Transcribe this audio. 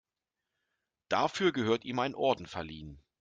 Dafür gehört ihm ein Orden verliehen.